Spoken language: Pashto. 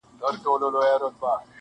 • افريدی دی که مومند دی -